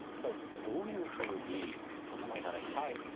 どういうふうに整えたらいいでしょう？